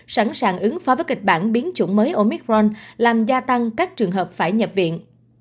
sẵn sàng ứng phó với kịch bản biến chủng mới omicron làm gia tăng các trường hợp phải nhập viện